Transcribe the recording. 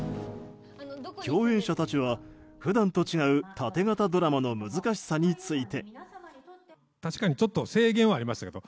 共演者たちは普段と違う縦型ドラマの難しさについて。